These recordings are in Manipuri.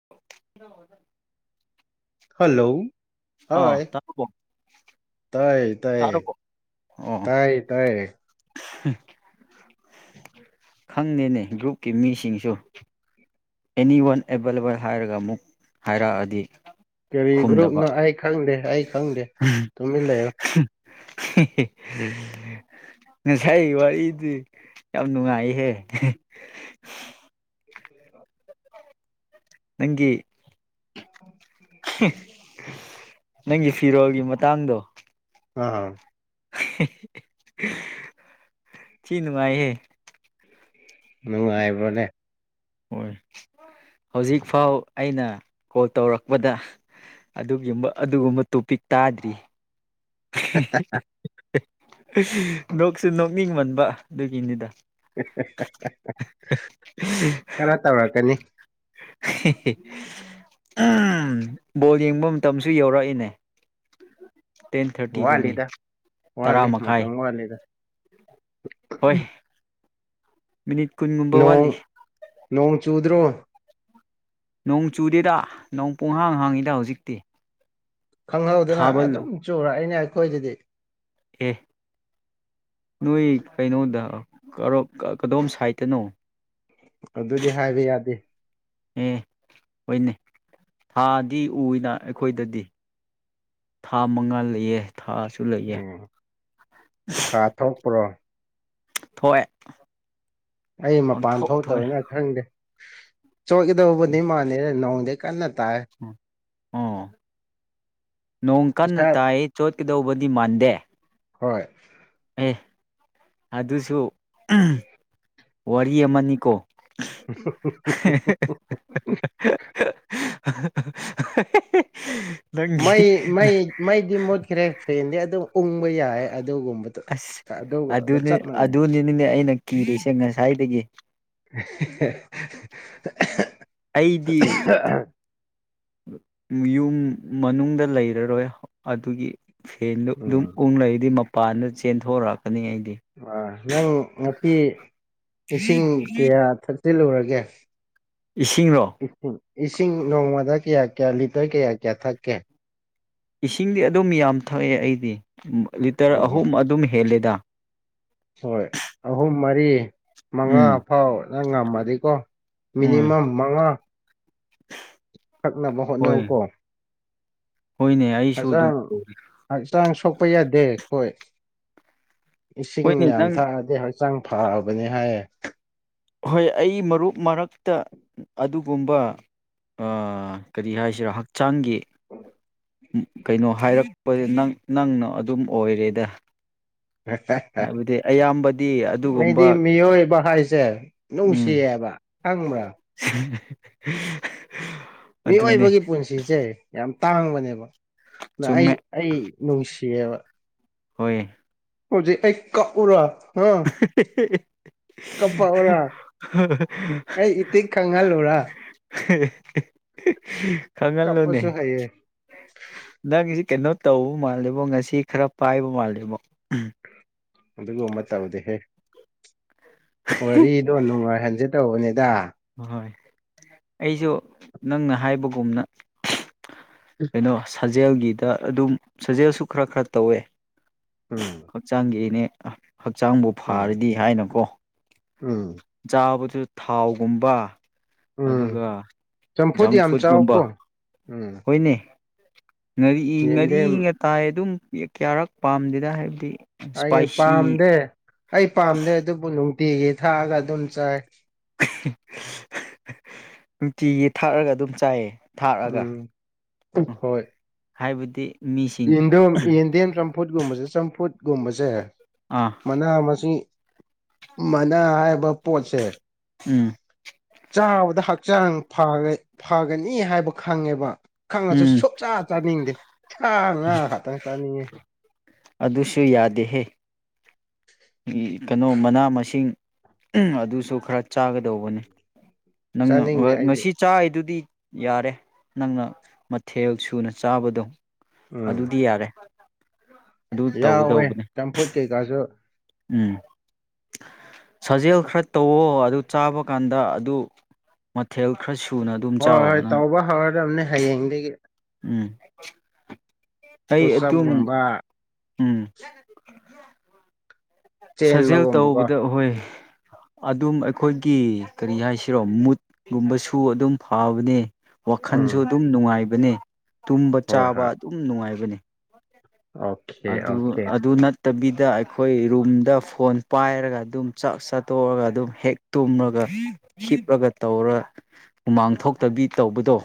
[unintelligible] ꯍꯜꯂꯣ ꯑꯥ ꯍꯣꯏ ꯇꯥꯔꯕꯣ ꯇꯥꯏꯌꯦ ꯇꯥꯔꯕꯣ ꯑꯣ ꯑꯣ ꯈꯪꯗꯦꯅꯦ ꯒ꯭ꯔꯨꯞꯀꯤ ꯃꯤꯁꯤꯡꯁꯨ ꯑꯦꯅꯤ ꯋꯥꯟ ꯑꯦꯕꯥꯏꯂꯦꯕꯜ ꯍꯥꯏꯔꯒ ꯑꯃꯨꯛ ꯍꯥꯏꯔꯛꯑꯗꯤ ꯀꯔꯤ ꯈꯨꯝꯗꯕ ꯒ꯭ꯔꯨꯞꯅꯣ ꯑꯩ ꯈꯪꯗꯦ ꯑꯩ ꯈꯪꯗꯦ ꯇꯨꯃꯤꯟ ꯂꯩꯌꯨ [unintelligible] ꯉꯁꯥꯏ ꯋꯥꯔꯤꯗꯤ ꯌꯥꯝ ꯅꯨꯡꯉꯥꯏꯍꯦ ꯅꯪꯒꯤ ꯅꯪꯒꯤ ꯐꯤꯔꯣꯜꯒꯤ ꯃꯇꯥꯡꯗꯣ ꯑ ꯑꯥ ꯊꯤ ꯅꯨꯡꯉꯥꯏꯍꯦ ꯅꯨꯡꯉꯥꯏꯕ꯭ꯔꯣꯅꯦ ꯍꯣꯏ ꯍꯧꯖꯤꯛꯐꯥꯎ ꯑꯩꯅ ꯀꯣꯜ ꯇꯧꯔꯛꯄꯗ ꯑꯗꯨꯒꯤꯝꯕ ꯑꯗꯨꯒꯨꯝꯕ ꯇꯣꯄꯤꯛ ꯇꯥꯗ꯭ꯔꯤ ꯅꯣꯛꯁꯨ ꯅꯣꯛꯅꯤꯡꯃꯟꯕ ꯑꯗꯨꯒꯤꯅꯤꯗ ꯈꯔ ꯇꯧꯔꯛꯀꯅꯤ ꯕꯣꯜ ꯌꯦꯡꯕ ꯃꯇꯝꯁꯨ ꯌꯧꯔꯛꯏꯅꯦ ꯇꯦꯟ ꯊꯥꯔꯇꯤꯗꯅꯤ ꯋꯥꯠꯂꯤꯗ ꯇꯔꯥ ꯋꯥꯠꯂꯤ ꯃꯈꯥꯏ ꯃꯇꯝ ꯋꯥꯠꯂꯤꯗ ꯍꯣꯏ ꯃꯤꯅꯤꯠ ꯀꯨꯟꯒꯨꯝꯕ ꯅꯣꯡ ꯋꯥꯠꯂꯤ ꯅꯣꯡ ꯆꯨꯗ꯭ꯔꯣ ꯅꯣꯡ ꯆꯨꯗꯦꯗ ꯅꯣꯡ ꯄꯣꯡꯍꯥꯡ ꯍꯥꯡꯉꯤꯗ ꯍꯧꯖꯤꯛꯇꯤ ꯈꯪꯍꯧꯗꯅ ꯊꯥꯕꯜ ꯑꯗꯨꯝ ꯆꯨꯔꯛꯏꯅꯦ ꯑꯩꯈꯣꯏꯗꯗꯤ ꯑꯦ ꯅꯣꯏ ꯀꯩꯅꯣꯗ ꯀꯗꯣꯝ ꯁꯥꯏꯠꯇꯅꯣ ꯑꯗꯨꯗꯤ ꯍꯥꯏꯕ ꯌꯥꯗꯦ ꯑꯦ ꯍꯣꯏꯅꯦ ꯊꯥꯗꯤ ꯎꯏꯅ ꯑꯩꯈꯣꯏꯗꯗꯤ ꯊꯥ ꯃꯪꯉꯥꯂꯩꯌꯦ ꯊꯥ ꯎꯝ ꯊꯥ ꯊꯣꯛꯄ꯭ꯔꯣ ꯊꯣꯛꯑ‌ꯦ ꯑꯩ ꯃꯄꯥꯟ ꯊꯣꯛꯥꯎꯇꯕꯅ ꯈꯪꯗꯦ ꯆꯣꯈꯤꯗꯧꯕꯗꯤ ꯃꯥꯥꯟꯅꯤꯅ ꯅꯣꯡꯗꯤ ꯀꯟꯅ ꯇꯥꯏ ꯎꯝ ꯅꯣꯡ ꯀꯟꯅ ꯏꯁꯥ ꯇꯥꯏ ꯆꯣꯠꯀꯗꯧꯕꯗꯤ ꯃꯥꯟꯗꯦ ꯍꯣꯏ ꯑꯦ ꯑꯗꯨꯁꯨ ꯋꯥꯔꯤ ꯑꯃꯅꯤꯀꯣ [unintelligible] [unintelligible] ꯃꯩ ꯃꯩ ꯃꯩꯗꯤ ꯃꯨꯠꯈ꯭ꯔꯦ ꯐꯦꯟꯗꯤ ꯑꯗꯨꯝ ꯎꯪꯕ ꯌꯥꯏ ꯑꯗꯨꯒꯨꯝꯕꯗꯣ ꯑꯁ ꯑꯗꯨꯒ ꯑꯗꯨꯅꯤ ꯆꯞ ꯃꯥꯟꯅꯩ ꯑꯗꯨꯅꯤ ꯅꯅꯦ ꯑꯩꯅ ꯀꯤꯔꯤꯁꯦ ꯉꯁꯥꯏꯗꯒꯤ [unintelligible] ꯑꯩꯗꯤ ꯌꯨꯝ ꯃꯅꯨꯡꯗ ꯂꯩꯔꯔꯣꯏ ꯑꯗꯨꯒꯤ ꯐꯦꯟꯗꯨꯣ ꯎꯝ ꯑꯗꯨꯝ ꯎꯪ ꯂꯩꯛꯏꯗꯤ ꯃꯄꯥꯟꯗ ꯆꯦꯟꯊꯣꯔꯛꯀꯅꯤ ꯑꯩꯗꯤ ꯑꯥ ꯅꯪ ꯉꯁꯤ ꯏꯁꯤꯡ ꯀꯌꯥ ꯊꯛꯆꯤꯜꯂꯨꯔꯒꯦ ꯏꯁꯤꯡꯔꯣ ꯏꯁꯤꯡ ꯏꯁꯤꯡ ꯅꯣꯡꯃꯗ ꯀꯌꯥ ꯀꯌꯥ ꯂꯤꯇꯔ ꯀꯌꯥ ꯀꯌꯥ ꯊꯛꯀꯦ ꯏꯁꯤꯡꯗꯤ ꯑꯗꯨꯝ ꯌꯥꯝ ꯊꯛꯑꯦ ꯑꯩꯗꯤ ꯂꯤꯇꯔ ꯎꯝ ꯎꯝ ꯑꯍꯨꯝ ꯑꯗꯨꯝ ꯍꯦꯜꯂꯦꯗ ꯍꯣꯏ ꯑꯍꯨꯝ ꯃꯔꯤ ꯃꯉꯥ ꯎꯝ ꯐꯥꯎꯅ ꯉꯝꯃꯗꯤꯀꯣ ꯍꯣꯏ ꯃꯤꯅꯤꯃꯝ ꯃꯉꯥ ꯊꯛꯅꯕ ꯍꯣꯠꯅꯧ ꯀꯣ ꯍ‌ꯣꯏꯅꯦ ꯍꯛꯆꯥꯡ ꯍꯛꯆꯥꯡ ꯁꯣꯛꯄ ꯌꯥꯗꯦ ꯈ‌ꯣꯏ ꯏꯁꯤꯡ ꯍꯣꯏꯅꯦ ꯌꯥꯝ ꯅꯪ ꯊꯛꯑꯗꯤ ꯍꯛꯆꯥꯡ ꯐꯕꯅꯤ ꯍꯥꯏꯌꯦ ꯍꯣꯏ ꯑꯩ ꯃꯔꯨꯞ ꯃꯔꯛꯇ ꯑꯗꯨꯒꯨꯝꯕ ꯀꯔꯤ ꯍꯥꯏꯁꯤꯔꯥ ꯍꯛꯆꯥꯡꯒꯤ ꯀꯩꯅꯣ ꯍꯥꯏꯔꯛꯄꯁ ꯅꯪꯅ ꯑꯗꯨꯝ ꯑꯣꯏꯔꯦꯗ ꯔꯠꯇꯥꯏ ꯍꯥꯏꯕꯗꯤ ꯑꯌꯥꯝ ꯕꯗꯤ ꯑꯩꯗꯤ ꯃꯤꯑꯣꯏꯕ ꯍꯥꯏꯁꯦ ꯎꯝ ꯅꯨꯡꯁꯤꯌꯦꯕ ꯈꯪꯕ꯭ꯔꯥ [unintelligible] ꯃꯤꯑꯣꯏꯕꯒꯤ ꯄꯨꯟꯁꯤꯁꯦ ꯌꯥꯝ ꯇꯥꯡꯕꯅꯦꯕ ꯑꯗ ꯑꯩ ꯆꯨꯝꯃꯦ ꯑꯩ ꯅꯨꯡꯁꯤꯌꯦꯕ ꯍꯣꯏ ꯍꯧꯖꯤꯛ ꯑꯩ ꯀꯛꯎꯔ ꯍꯥ [unintelligible] ꯑꯩ ꯏꯇꯤꯛ ꯈꯪꯍꯜꯂꯨꯔꯥ [unintelligible] ꯈꯪꯍꯜꯂꯣꯅꯦ ꯀꯞꯄꯁꯨ ꯍꯩꯌꯦ ꯅꯪꯁꯤ ꯀꯩꯅꯣ ꯇꯧꯕ ꯃꯥꯜꯂꯦꯕꯣ ꯉꯁꯤ ꯈꯔ ꯄꯥꯏꯕ ꯃꯥꯜꯂꯦꯕꯣ꯫ ꯑꯗꯨꯒꯨꯝꯕꯥ ꯇꯥꯎꯗꯦ ꯍꯦ ꯋꯥꯔꯤꯗꯣ ꯅꯨꯡꯉꯥꯏꯍꯟꯖꯦ ꯇꯧꯕꯅꯤꯗ ꯑꯍꯣꯏ ꯑꯩꯖꯨ ꯅꯪꯅ ꯍꯥꯏꯕꯒꯨꯝꯅ ꯀꯩꯅꯣ ꯁꯥꯖꯦꯜꯒꯤꯗ ꯑꯗꯨꯝ ꯁꯥꯖꯦꯜꯁꯨ ꯈꯔ ꯈꯔ ꯇꯧꯋꯦ꯫ ꯎꯝ ꯍꯛꯆꯥꯡꯒꯤꯅꯦ ꯍꯛꯆꯥꯡꯕꯨ ꯎꯝ ꯐꯔꯗꯤ ꯍꯥꯏꯅꯀꯣ꯫ ꯎꯝ ꯆꯥꯕꯗꯨ ꯊꯥꯎꯒꯨꯝꯕ ꯎꯝ ꯑꯗꯨꯒ ꯆꯝꯐꯨꯠ ꯖꯪ ꯌꯥꯝ ꯐꯨꯗꯀꯨꯝꯕ ꯆꯥꯎꯀꯣ ꯎꯝ ꯍꯣꯏꯅꯦ ꯉꯥꯔꯤ ꯉꯥꯔꯤ ꯌꯦꯟꯗꯦꯝ ꯉꯇꯥꯏ ꯑꯗꯨꯝ ꯀꯌꯥꯔꯛ ꯄꯥꯝꯗꯦꯗ ꯍꯥꯏꯕꯗꯤ ꯑꯩ ꯏꯁꯄꯥꯏꯁꯤ ꯄꯥꯝꯗꯦ ꯑꯩ ꯄꯥꯝꯗꯦ ꯑꯗꯨꯕꯨ ꯅꯨꯡꯇꯤꯒꯤ ꯊꯥꯛꯑꯒ ꯑꯗꯨꯝ ꯆꯥꯏ꯫ ꯅꯨꯡꯇꯤꯒꯤ ꯊꯥꯛꯑꯒ ꯑꯗꯨꯝ ꯆꯥꯏꯌꯦ꯫ ꯊꯥꯛꯔꯒ ꯎꯝ ꯎꯝ ꯍꯥꯏꯕꯗꯤ ꯃꯤꯁꯤꯡ ꯏꯟꯗꯨꯝ ꯌꯦꯟꯗꯦꯝ ꯌꯦꯟꯗꯦꯝ ꯆꯝꯐꯨꯠꯀꯨꯝꯕꯁꯦ ꯆꯝꯐꯨꯠꯀꯨꯝꯕꯁꯦ ꯑꯥ ꯃꯅꯥ ꯃꯁꯤꯡ ꯃꯅꯥ ꯍꯥꯏꯕ ꯄꯣꯠꯁꯦ ꯎꯝ ꯆꯥꯕꯗ ꯍꯛꯆꯥꯡ ꯐꯒ ꯐꯒꯅꯤ ꯍꯥꯏꯕ ꯈꯪꯉꯦꯕ ꯈꯪꯉꯁꯨ ꯎꯝ ꯁꯨꯛꯆꯥꯥ ꯆꯥꯅꯤꯡꯗꯦ ꯁꯥ ꯉꯥ ꯈꯛꯇꯪ ꯆꯥꯅꯤꯡꯉꯦ꯫ ꯑꯗꯨꯁꯨ ꯌꯥꯗꯦꯍꯦ ꯀꯩꯅꯣ ꯃꯅꯥ ꯃꯁꯤꯡ ꯑꯗꯨꯁꯨ ꯈꯔ ꯆꯥꯒꯗꯧꯕꯅꯤ ꯅꯪ ꯆꯥꯅꯤꯡꯗꯦ ꯑꯩꯗꯤ ꯉꯁꯤ ꯆꯥꯏꯗꯨꯗꯤ ꯌꯥꯔꯦ ꯅꯪꯅ ꯃꯊꯦꯜ ꯁꯨꯅ ꯆꯥꯕꯗꯣ ꯎꯝ ꯑꯗꯨꯗꯤ ꯌꯥꯔꯦ ꯑꯗꯨ ꯌꯥꯎꯋꯦ ꯇꯧꯒꯗꯧꯕꯅꯦ ꯆꯝꯐꯨꯠ ꯀꯩꯀꯥꯁꯨ ꯎꯝ ꯁꯥꯖꯦꯜ ꯈꯔ ꯇꯧꯋꯣ ꯑꯗꯨ ꯆꯥꯕ ꯀꯥꯟꯗ ꯑꯗꯨ ꯃꯊꯦꯜ ꯈꯔ ꯁꯨꯅ ꯑꯗꯨꯝ ꯍꯣꯏ ꯆꯥꯎꯑꯣ ꯍꯣꯏ ꯅꯪ ꯇꯧꯕ ꯍꯧꯔꯗꯕꯅꯦ ꯍꯌꯦꯡꯗꯒꯤ ꯎꯝ ꯑꯩ ꯑꯗꯨꯝ ꯄꯨꯁꯑꯞꯒꯨꯝꯕ ꯎꯝ ꯁꯥꯖꯦꯜ ꯆꯦꯟꯕꯒꯨꯝꯕꯀꯣ ꯇꯧꯕꯗ ꯑꯍꯣꯏ ꯑꯗꯨꯝ ꯑꯩꯈꯣꯏꯒꯤ ꯀꯔꯤ ꯍꯥꯏꯁꯤꯔꯣ ꯃꯨꯠꯀꯨꯝꯕꯁꯨ ꯑꯗꯨꯝ ꯐꯕꯅꯦ꯫ ꯋꯥꯈꯜꯁꯨ ꯎꯝ ꯑꯗꯨꯝ ꯅꯨꯡꯉꯥꯏꯕꯅꯦ ꯇꯨꯝꯕ ꯍꯣꯏ ꯆꯥꯕ ꯍꯣꯏ ꯑꯗꯨꯝ ꯅꯨꯡꯉꯥꯏꯕꯅꯦ꯫ ꯑꯣꯀꯦ ꯑꯗꯨ ꯑꯣꯀꯦ ꯑꯗꯨ ꯅꯠ ꯇꯕꯤꯗ ꯑꯩꯈꯣꯏ ꯔꯨꯝꯗ ꯐꯣꯟ ꯄꯥꯏꯔꯒ ꯑꯗꯨꯝ ꯆꯥꯛ ꯆꯥꯠꯇꯣꯛꯑꯒ ꯑꯗꯨꯝ ꯍꯦꯛ ꯇꯨꯝꯔꯒ ꯍꯤꯞꯂꯒ ꯇꯧꯔ ꯍꯨꯃꯥꯡ ꯊꯣꯛꯇꯕꯤ ꯇꯧꯕꯗꯣ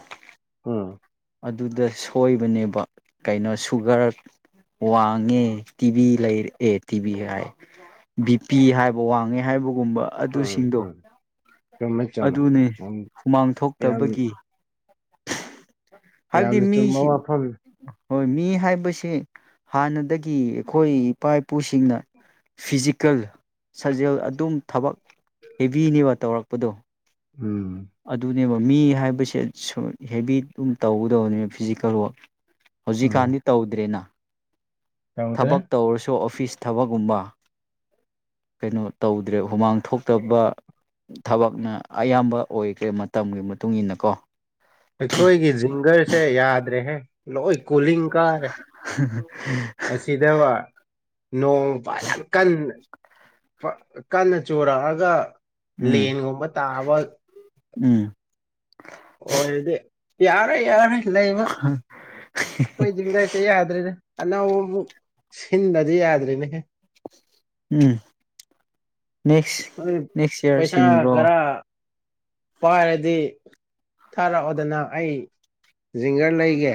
ꯎꯝ ꯑꯗꯨꯗ ꯁꯣꯏꯕꯅꯦꯕ ꯀꯩꯅꯣ ꯁꯨꯒꯔ ꯋꯥꯡꯉꯦ ꯇꯤꯚꯤ ꯂꯩꯔꯛꯑꯦ ꯇꯤꯚꯤ ꯍꯥꯏ ꯕꯤꯄꯤ ꯍꯥꯏꯕ ꯋꯥꯡꯉꯦ ꯍꯥꯏꯕꯨ ꯒꯨꯝꯕ ꯎꯝ ꯑꯗꯨꯁꯤꯡꯗꯣ ꯎꯝ ꯆꯨꯝꯃꯦ ꯆꯨꯝꯃꯦ ꯑꯗꯨꯅꯤ ꯌꯥꯝ ꯍꯨꯃꯥꯡ ꯌꯥꯝ ꯊꯣꯛꯇꯕꯒꯤ ꯍꯥꯏꯕꯗꯤ ꯌꯥꯝꯅ ꯆꯨꯝꯕ ꯃꯤꯁꯤ ꯋꯥꯐꯝ ꯍꯣꯏ ꯃꯤ ꯍꯥꯏꯕꯁꯤ ꯍꯥꯟꯅꯗꯒꯤ ꯑꯩꯈꯣꯏ ꯏꯄꯥ ꯏꯄꯨꯁꯤꯡꯅ ꯐꯤꯖꯤꯀꯦꯜ ꯁꯥꯖꯦꯜ ꯑꯗꯨꯝ ꯊꯕꯛ ꯍꯦꯕꯤꯅꯦꯕ ꯇꯧꯔꯛꯄꯗꯣ ꯎꯝ ꯑꯗꯨꯅꯦꯕ ꯃꯤ ꯍꯥꯏꯕꯁꯦ ꯁꯨꯝ ꯍꯦꯕꯤ ꯑꯗꯨꯝ ꯇꯧꯒꯗꯕꯅꯦꯕ ꯐꯤꯖꯤꯀꯦꯜ ꯋꯛ ꯎꯝ ꯍꯨꯖꯤꯛꯀꯥꯟꯗꯤ ꯇꯧꯗ꯭ꯔꯦꯅ ꯇꯧꯗ꯭ꯔꯦ ꯊꯕꯛ ꯇꯧꯔꯁꯨ ꯑꯣꯐꯤꯁ ꯊꯕꯛꯀꯨꯝꯕ ꯀꯩꯅꯣ ꯇꯧꯗ꯭ꯔꯦ ꯍꯨꯃꯥꯡ ꯊꯣꯛꯇꯕ ꯊꯕꯛꯅ ꯑꯌꯥꯝꯕ ꯑꯣꯏꯈ꯭ꯔꯦ ꯃꯇꯝꯒꯤ ꯃꯇꯨꯡ ꯏꯟꯅ ꯀꯣ ꯑꯩꯈꯣꯏꯒꯤ ꯖꯤꯡꯒꯔꯁꯦ ꯌꯥꯗ꯭ꯔꯦꯍꯦ ꯂꯣꯏ ꯀꯣꯂꯤꯡ ꯀꯥꯔꯦ [unintelligible] ꯑꯁꯤꯗꯕ ꯅꯣꯡ ꯐꯖꯟ ꯀꯟꯅ ꯀꯟꯅ ꯆꯨꯔꯛꯑꯒ ꯎꯝ ꯂꯦꯟꯒꯨꯝꯕ ꯇꯥꯕ ꯎꯝ ꯑꯣꯏꯔꯗꯤ ꯌꯥꯔꯣꯏ ꯌꯥꯔꯣꯏ ꯂꯩꯕ ꯈꫭꯏ ꯖꯤꯡꯒꯥꯁꯦ ꯌꯥꯗ꯭ꯔꯦꯗ ꯑꯅꯧꯕ ꯑꯃꯨꯛ ꯁꯤꯟꯗꯗꯤ ꯌꯥꯗ꯭ꯔꯤꯅꯦꯍꯦ ꯎꯝ ꯅꯦꯛꯁ [unintelligible] ꯅꯦꯛꯁ ꯏꯌꯥꯔ ꯄꯩꯁꯥ ꯁꯤꯟꯈ꯭ꯔꯣ ꯒꯥꯔꯥ ꯄꯥꯏꯔꯗꯤ ꯊꯥꯔꯛꯑꯣꯗꯅ ꯑꯩ ꯖꯤꯡꯒ ꯂꯩꯒꯦ